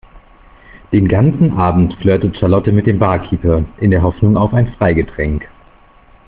Den ganzen Abend flirtete Charlotte mit dem Barkeeper in der Hoffnung auf ein Freigetränk.